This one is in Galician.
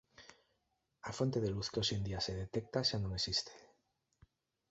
A fonte da luz que hoxe en día se detecta xa non existe.